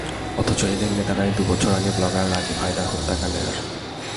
অথচ এদের নেতারাই দুই বছর আগে ব্লগার রাজীব হায়দার হত্যাকাণ্ডের আসামি।